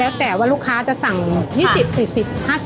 แล้วแต่ว่าลูกค้าจะสั่ง๒๐๔๐๕๐บาท